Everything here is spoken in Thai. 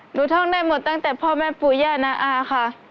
ท่องได้หมดตั้งแต่พ่อแม่ปู่ย่านาอาค่ะ